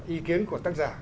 ý kiến của tác giả